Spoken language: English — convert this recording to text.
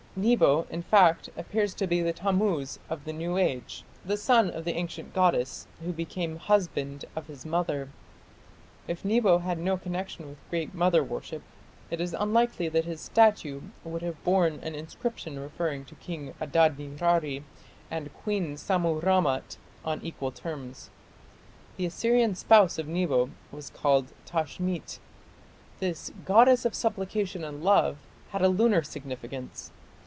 Nebo, in fact, appears to be the Tammuz of the new age, the son of the ancient goddess, who became "Husband of his Mother". If Nebo had no connection with Great Mother worship, it is unlikely that his statue would have borne an inscription referring to King Adad nirari and Queen Sammu rammat on equal terms. The Assyrian spouse of Nebo was called Tashmit. This "goddess of supplication and love" had a lunar significance.